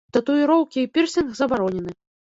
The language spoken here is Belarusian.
Татуіроўкі і пірсінг забаронены.